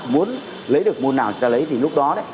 muốn lấy được môn nào thì ta lấy thì lúc đó đấy